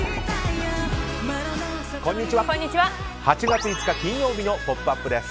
８月５日、金曜日の「ポップＵＰ！」です。